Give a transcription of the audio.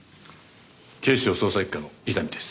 警視庁捜査一課の伊丹です。